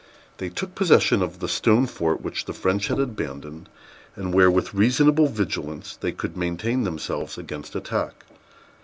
They took possession of the stone fort which the French had abandoned, and where, with reasonable vigilance, they could maintain themselves against attack.